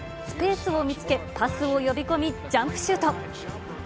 スペースを見つけ、パスを呼び込みジャンプシュート。